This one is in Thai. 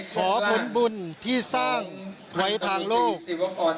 ขอผลบุญที่สร้างไว้ทางโลก